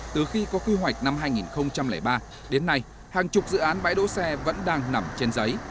từ khi có quy hoạch năm hai nghìn ba đến nay hàng chục dự án bãi đỗ xe vẫn đang nằm trên giấy